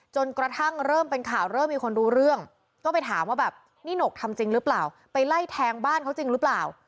จนกระทั่งเริ่มเป็นข่าวเริ่มมีคนรู้เรื่องก็ไปถามว่าแบบนี่หนกทำจริงหรือเปล่าไปไล่แทงบ้านเขาจริงหรือเปล่า